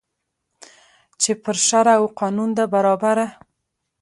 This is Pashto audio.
چي پر شرع او قانون ده برابره